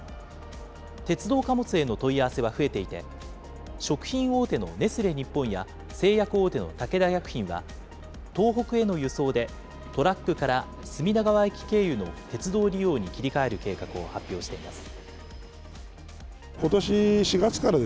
鉄道貨物への問い合わせは増えていて、食品大手のネスレ日本や、製薬大手の武田薬品は、東北への輸送でトラックから隅田川駅経由の鉄道利用に切り替える計画を発表しています。